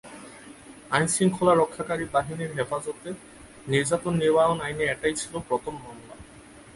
আইনশৃঙ্খলা রক্ষাকারী বাহিনীর হেফাজতে নির্যাতন নিবারণ আইনে এটাই ছিল প্রথম মামলা।